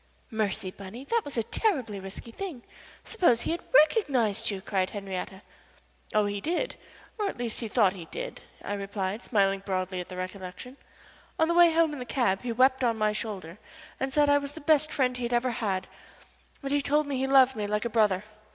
"Mercy, Bunny, that was a terribly risky thing. Suppose he had recognized you?" cried Henriette. "Oh, he did or at least he thought he did," I replied, smiling broadly at the recollection. "On the way home in the cab he wept on my shoulder and said I was the best friend he ever had, and told me he loved me like a brother.